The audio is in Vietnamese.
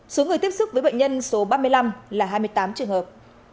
số người tiếp xúc với bệnh nhân số ba mươi năm là hai mươi tám trường hợp